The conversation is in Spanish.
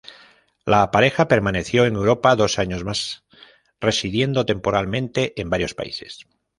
La pareja permaneció en Europa dos años más, residiendo temporalmente en varios países.